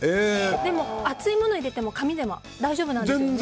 でも、熱いものを入れても紙でも大丈夫なんですよね。